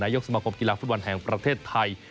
นายกสมัครกีฬาฟุตวันแห่งประเทศไทย